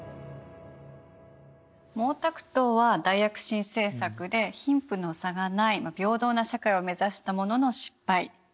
毛沢東は大躍進政策で貧富の差がない平等な社会を目指したものの失敗。